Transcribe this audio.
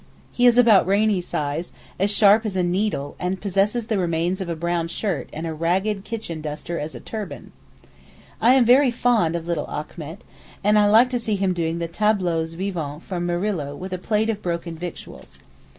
He is about Rainie's size, as sharp as a needle, and possesses the remains of a brown shirt and a ragged kitchen duster as turban. I am very fond of little Achmet, and like to see him doing tableaux vivants from Murillo with a plate of broken victuals.